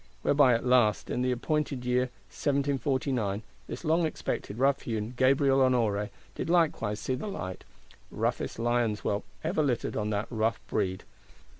Whereby at last in the appointed year 1749, this long expected rough hewn Gabriel Honoré did likewise see the light: roughest lion's whelp ever littered of that rough breed.